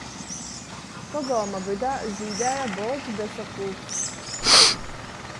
Pogolma vydā zīdēja bolts besakūks.